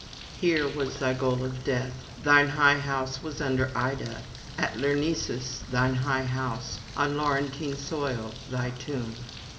Here was thy goal of death; thine high house was under Ida, at Lyrnesus thine high house, on Laurentine soil thy tomb.